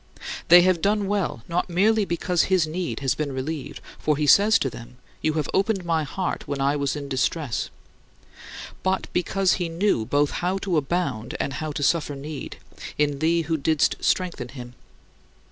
They have done well, not merely because his need had been relieved for he says to them, "You have opened my heart when I was in distress" but because he knew both how to abound and how to suffer need, in thee who didst strengthen him.